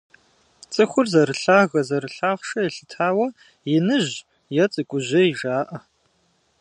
ЦӀыхур зэрылъагэ-зэрылъахъшэ елъытауэ «иныжь» е «цӀыкӀужьей» жаӀэ.